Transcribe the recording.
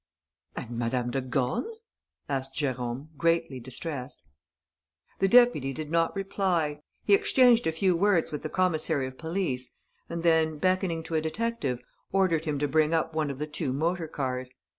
"And Madame de Gorne?" asked Jérôme, greatly distressed. The deputy did not reply. He exchanged a few words with the commissary of police and then, beckoning to a detective, ordered him to bring up one of the two motor cars.